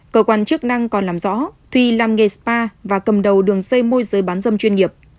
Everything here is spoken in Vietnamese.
cơ quan chức năng còn làm rõ thùy làm nghề spa và cầm đầu đường dây môi giới bán dâm chuyên nghiệp